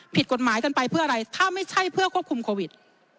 ผิดกฎหมายกันไปเพื่ออะไรถ้าไม่ใช่เพื่อควบคุมโควิด